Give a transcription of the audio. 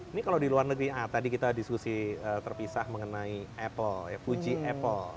ini kalau di luar negeri a tadi kita diskusi terpisah mengenai apple fuji apple